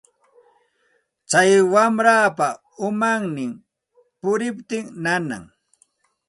Tsay warmapa umanmi puriptin nanan.